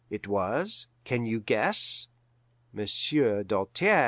It was can you guess? Monsieur Doltaire.